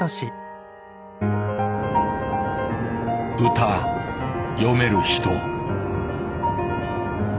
歌詠める人。